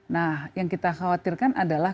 nah yang kita khawatirkan adalah